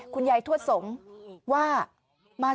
คุณยายถวดสงฆ์ว่า